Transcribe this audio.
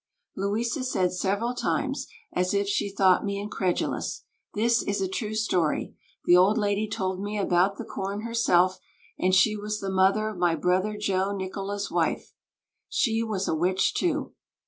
Louisa said several times, as if she thought me incredulous, "This is a true story; the old lady told me about the corn herself, and she was the mother of my brother Joe Nicola's wife. She was a witch, too."